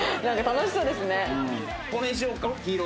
これにしようか黄色。